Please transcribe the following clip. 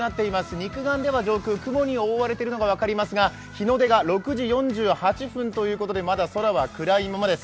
肉眼では上空、雲に覆われているのが分かりますが日の出が６時４８分ということでまだ空は暗いままです。